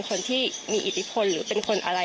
พี่น้องวาหรือว่าน้องวาหรือ